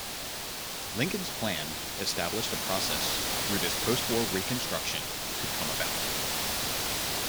Lincoln's plan established a process through this postwar reconstruction could come about.